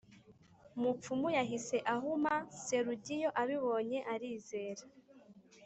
mupfumu yahise ahuma Serugiyo abibonye arizera